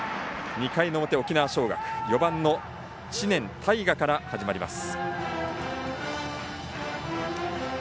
２回の表、沖縄尚学４番、知念大河から始まります。